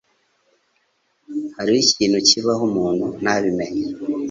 Hariho ikintu kibaho umuntu ntabimenye